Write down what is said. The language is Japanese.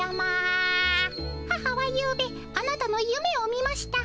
「母は夕べあなたのゆめを見ました。